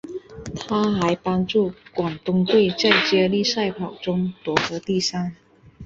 她还帮助广东队在接力赛跑中夺得第三。